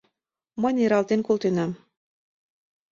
Мый нералтен колтенам.